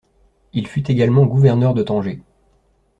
Il fut également Gouverneur de Tanger.